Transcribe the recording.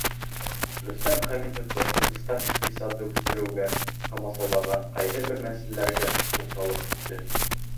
Рөстәм Хәмитов Башҡортостан иҡтисадын үҫтереүгә ҡамасаулаған ҡайһы бер мәсьәләләргә туҡталып үтте.